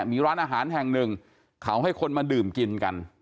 มีร้านอาหารแห่งหนึ่งเขาให้คนมาดื่มกินกัน